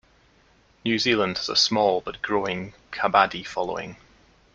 New Zealand has a small but growing kabaddi following.